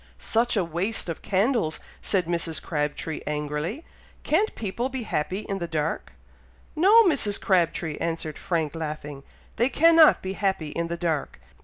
"Such a waste of candles!" said Mrs. Crabtree, angrily; "can't people be happy in the dark!" "No, Mrs. Crabtree!" answered Frank, laughing. "They cannot be happy in the dark!